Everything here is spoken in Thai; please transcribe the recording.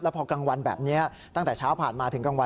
พอกลางวันแบบนี้ตั้งแต่เช้าผ่านมาถึงกลางวัน